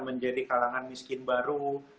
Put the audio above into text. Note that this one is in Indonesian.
menjadi kalangan miskin baru